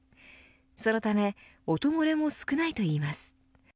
そのため、音漏れも少ないといいます。